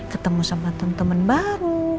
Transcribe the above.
ketemu sama temen temen baru